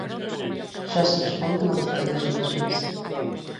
Xa se responden a vostedes mesmos.